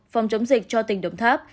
phòng chống dịch cho tỉnh đồng tháp